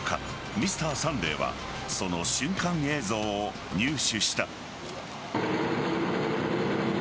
「Ｍｒ．サンデー」はその瞬間映像を入手した。